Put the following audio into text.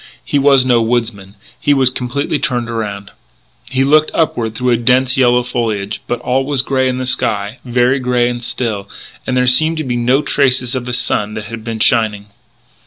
He was no woodsman. He was completely turned around. He looked upward through a dense yellow foliage, but all was grey in the sky very grey and still; and there seemed to be no traces of the sun that had been shining.